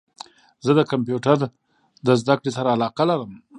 زه د کمپیوټرد زده کړي سره علاقه لرم